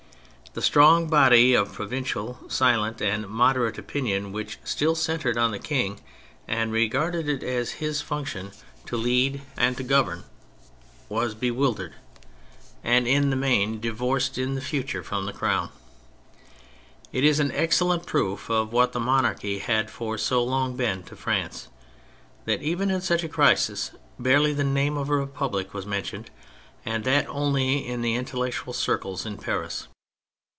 The strong body of provincial, silent, and moderate opinion, which still centred on the King and regarded it as his function to lead and to THE PHASES 109 govern, was bewildered, and in the main divorced, in the future, from the Crown. It is an excellent proof of what the monarchy had for so long been to France, that even in such a crisis barely the name of " a republic " was mentioned, and that only in the intel lectual circles in Paris.